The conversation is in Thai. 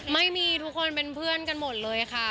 ไม่มีทุกคนเป็นเพื่อนกันหมดเลยค่ะ